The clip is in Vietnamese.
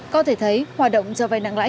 có thể thấy hoạt động cho vay nặng lãi